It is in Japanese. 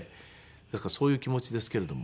だからそういう気持ちですけれども。